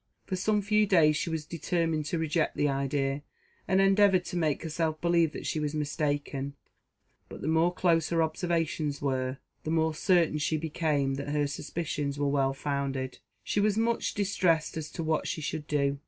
For some few days she was determined to reject the idea, and endeavoured to make herself believe that she was mistaken; but the more close her observations were, the more certain she became that her suspicions were well founded. She was much distressed as to what she should do.